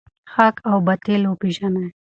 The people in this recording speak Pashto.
حق او باطل وپیژنئ.